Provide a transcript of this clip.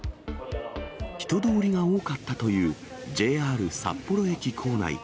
人通りが多かったという、ＪＲ札幌駅構内。